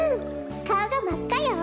かおがまっかよ。